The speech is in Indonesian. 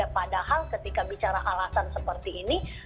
padahal ketika bicara alasan seperti ini